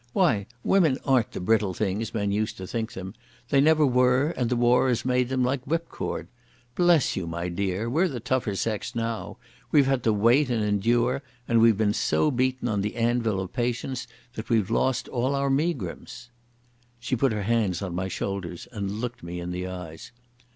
Why, women aren't the brittle things men used to think them. They never were, and the war has made them like whipcord. Bless you, my dear, we're the tougher sex now. We've had to wait and endure, and we've been so beaten on the anvil of patience that we've lost all our megrims." She put her hands on my shoulders and looked me in the eyes.